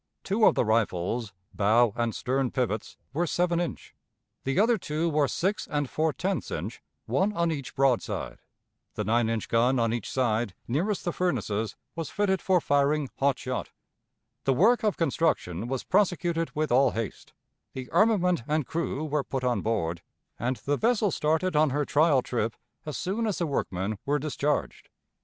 Two of the rifles, bow and stern pivots, were seven inch; the other two were six and four tenths inch, one on each broadside. The nine inch gun on each side, nearest the furnaces, was fitted for firing hot shot. The work of construction was prosecuted with all haste, the armament and crew were put on board, and the vessel started on her trial trip as soon as the workmen were discharged.